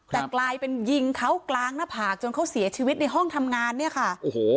แต่กลายเป็นยิงเขากลางหน้าผากจนเขาเสียชีวิตในห้องทำงานเนี่ยค่ะโอ้โห